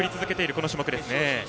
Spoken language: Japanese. この種目ですね。